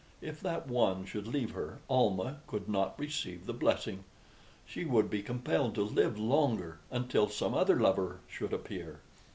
If that one should leave her, Almah could not receive the blessing. She would be compelled to live longer, until some other lover should appear.